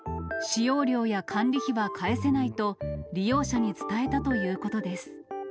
使用料や管理費は返せないと、利用者に伝えたということです。